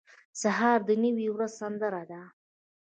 سهار د نوې ورځې سندره ده.